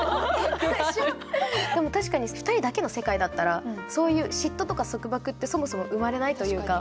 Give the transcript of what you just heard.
でも確かに２人だけの世界だったらそういう嫉妬とか束縛ってそもそも生まれないというか。